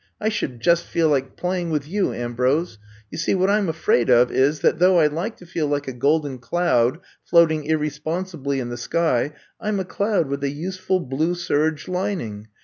I should just feel like playing with you, Am brose. You see, what I 'm afraid of is, that though I like to feel like a golden cloud floating irresponsibly in the sky— I 'm a cloud with a useful blue serge lining.